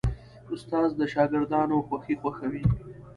استاد د شاګردانو خوښي خوښوي.